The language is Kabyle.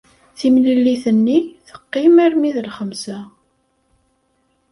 Timlilit-nni teqqim armi d lxemsa.